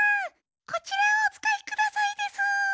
こちらをおつかいくださいでスー。